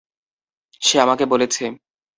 সে আমাকে বলেছে।